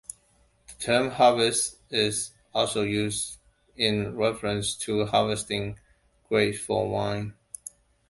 The term harvest is also used in reference to harvesting grapes for wine.